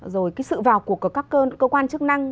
rồi cái sự vào cuộc của các cơ quan chức năng